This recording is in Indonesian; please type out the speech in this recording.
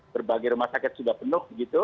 berbagai rumah sakit sudah penuh begitu